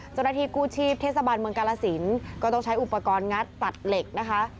เจ้าหน้าที่กู้ชีพเทศบาลเมืองกาลสินก็ต้องใช้อุปกรณ์งัดตัดเหล็กนะคะ